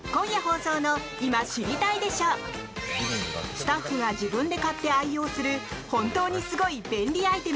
スタッフが自分で買って愛用する本当にすごい便利アイテム